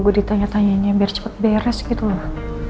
gue ditanya tanyainya biar cepet beres gitu loh